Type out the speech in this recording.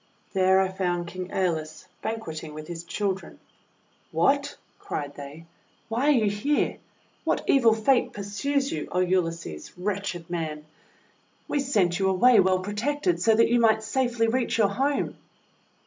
There I found King ^Eolus banqueting with his children. "WTiat!' cried they. "Why are you here? What evil Fate pursues you, O Ulysses, wretched man? We sent you away well protected, so that you might safely reach your home!'